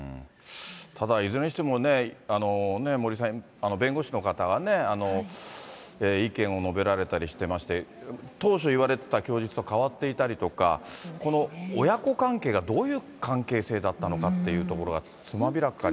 ただいずれにしてもね、森さん、弁護士の方がね、意見を述べられたりしてまして、当初言われてた供述と変わっていたりとか、この親子関係がどういう関係性だったのかっていうところがつまびらかに。